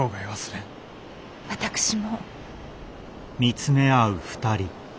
私も。